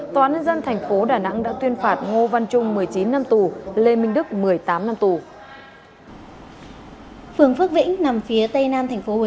tòa án nhân dân thành phố đà nẵng đã tuyên phạt ngô văn trung một mươi chín năm tù lê minh đức một mươi tám năm tù